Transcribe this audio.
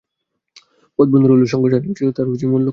পথ বন্ধুর হলেও সংঘর্ষ এড়ানোই ছিল তাঁর মূল লক্ষ্য।